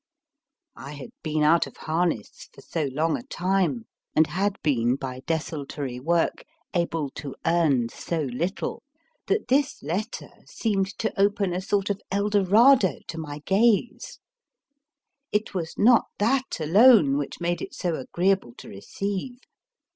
I had been out of harness for so long a time, and had been, by desultory work, able to earn so little, that this letter seemed to IF THERE HAD BEEN NO DAVID open a sort of Eldorado to my COPPER FIELD gaze, which It was not that alone made it so agreeable to receive.